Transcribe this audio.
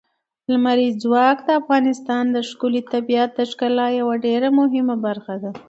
لمریز ځواک د افغانستان د ښکلي طبیعت د ښکلا یوه ډېره مهمه برخه ده.